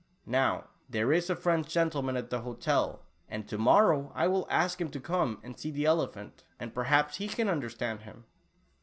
Now, there is a French gentleman at the hotel, and to morrow I will ask him to come and see the elephant, and perhaps he can understand him."